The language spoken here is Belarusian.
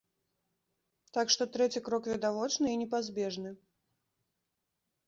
Так што трэці крок відавочны і непазбежны.